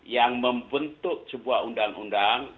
yang membentuk sebuah undang undang